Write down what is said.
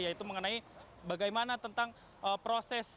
yaitu mengenai bagaimana tentang proses